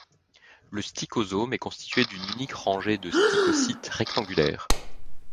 Le stichosome est constitué d'une unique rangée de stichocytes rectangulaires.